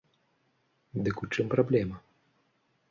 Дык у чым праблема?